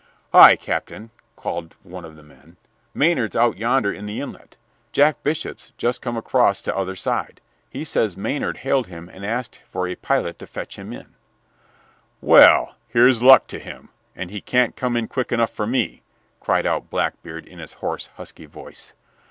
"Hi, Captain!" called one of the men, "Maynard's out yonder in the inlet. Jack Bishop's just come across from t'other side. He says Mr. Maynard hailed him and asked for a pilot to fetch him in." "Well, here's luck to him, and he can't come in quick enough for me!" cried out Blackbeard in his hoarse, husky voice.